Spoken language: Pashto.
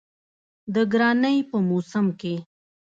د ګرانۍ په موسم کې